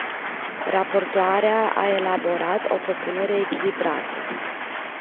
Raportoarea a elaborat o propunere echilibrată.